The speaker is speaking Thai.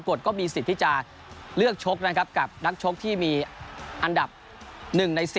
กฎก็มีสิทธิ์ที่จะเลือกชกนะครับกับนักชกที่มีอันดับ๑ใน๑๐